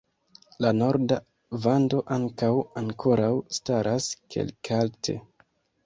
La norda vando ankaŭ ankoraŭ staras kelkalte.